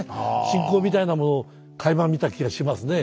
信仰みたいなものをかいま見た気がしますね。